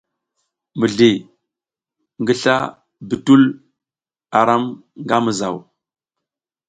Mizli ngi sla bitul a ram nga mizaw.